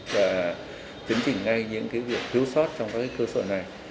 và chấn chỉnh ngay những việc thiếu sót trong các cơ sở này